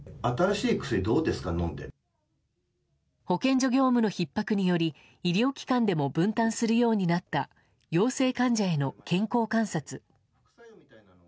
保健所業務のひっ迫により医療機関でも分担するようになった陽性患者への健康観察。